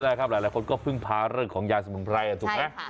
ใช่ครับหลายคนก็พึ่งพาเรื่องของยาสมุนไพรถูกไหม